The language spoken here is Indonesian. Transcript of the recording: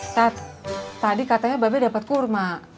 tat tadi katanya babi dapat kurma